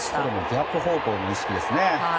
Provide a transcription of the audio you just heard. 逆方向の意識ですね。